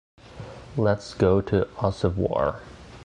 Let’s go to Assuévar.